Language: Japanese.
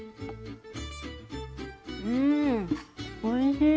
うんおいしい。